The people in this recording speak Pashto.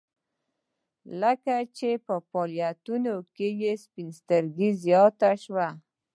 کله چې په فعالیتونو کې سپین سترګي زیاته شوه